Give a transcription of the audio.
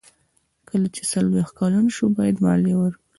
کله چې څلویښت کلن شو باید مالیه ورکړي.